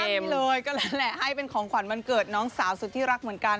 นี่เลยก็แล้วแหละให้เป็นของขวัญวันเกิดน้องสาวสุดที่รักเหมือนกัน